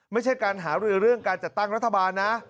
ไม่ใช่การหารือเรื่องการจัดตั้งรัฐบาลนะ